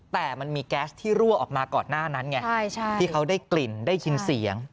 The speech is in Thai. แต่มันมีแก๊สที่รั่วออกมาก่อนหน้านั้นไงที่เขาได้กลิ่นได้ยินเสียง